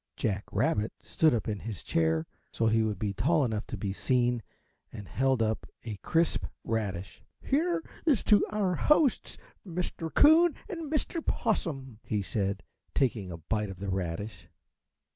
Jack Rabbit stood up in his chair so he would be tall enough to be seen and held up a crisp radish. "Here is to our hosts, Mr. Coon and Mr. Possum," he said, taking a bite of the radish.